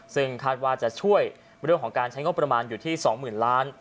ซึ่งคาดวาสจะช่วยเรื่องของการใช้เข้าประมาณอยู่ที่๒๐๐๐๐๐๐๐บาท